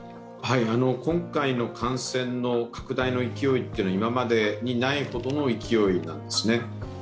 今回の感染の拡大の勢いは今までにないほどの勢いなんですね。